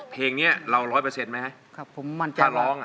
เพลงนี้เราร้องได้เหมือน๔หมื่น